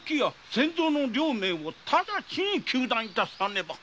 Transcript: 千蔵の両名を直ちに糾弾致さねば！